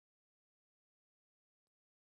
ښځې زیاتره جادوګرانې وي.